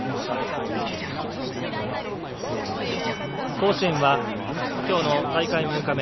甲子園はきょうの大会６日目。